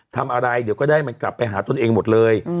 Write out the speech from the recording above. ทำอะไรเดี๋ยวก็ได้มันกลับไปหาตนเองหมดเลย